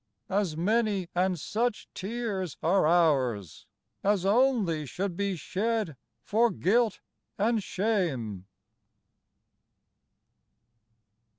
as many and such tears are ours, As only should be shed for guilt and shame!